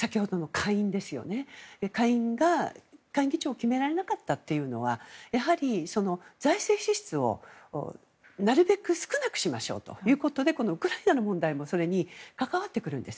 下院が、下院議長を決められなかったというのはやはり、財政支出をなるべく少なくしましょうということでウクライナの問題もそれに関わってくるんです。